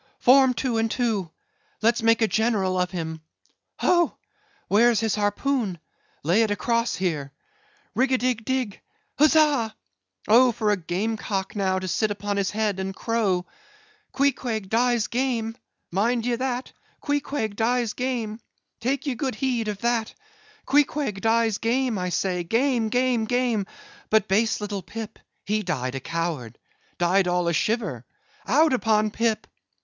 "Form two and two! Let's make a General of him! Ho, where's his harpoon? Lay it across here.—Rig a dig, dig, dig! huzza! Oh for a game cock now to sit upon his head and crow! Queequeg dies game!—mind ye that; Queequeg dies game!—take ye good heed of that; Queequeg dies game! I say; game, game, game! but base little Pip, he died a coward; died all a'shiver;—out upon Pip!